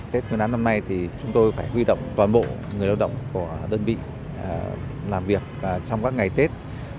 tết nguyên đán năm nay thì chúng tôi phải huy động toàn bộ người lao động của đơn vị làm việc trong các ngày tết